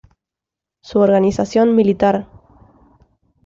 Su organización militar"".